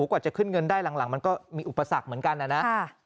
กว่าจะขึ้นเงินได้หลังมันก็มีอุปสรรคเหมือนกันนะ